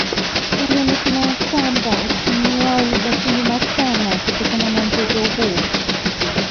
Ilionekana ya kwamba uchumi wao ulibaki nyuma sana kutokana na mzozo huo